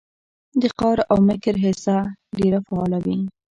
د قار او مکر حصه ډېره فعاله وي